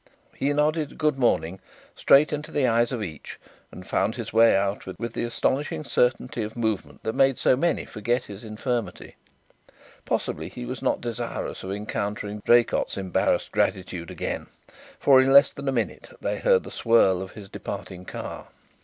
He nodded "Good morning" straight into the eyes of each and found his way out with the astonishing certainty of movement that made so many forget his infirmity. Possibly he was not desirous of encountering Draycott's embarrassed gratitude again, for in less than a minute they heard the swirl of his departing car.